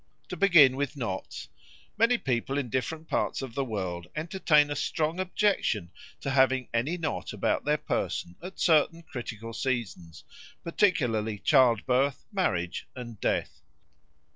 To begin with knots, many people in different parts of the world entertain a strong objection to having any knot about their person at certain critical seasons, particularly childbirth, marriage, and death.